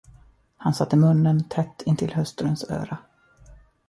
Han satte munnen tätt intill hustruns öra.